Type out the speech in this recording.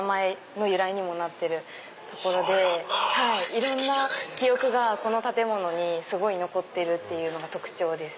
いろんな記憶がこの建物に残ってるっていうのが特徴です。